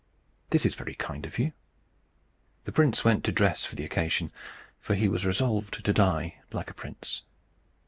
THIS IS VERY KIND OF YOU. The prince went to dress for the occasion, for he was resolved to die like a prince.